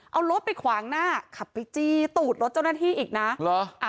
เอารถไปขวางหน้าขับไปจี้ตูดรถเจ้าหน้าที่อีกนะเหรอ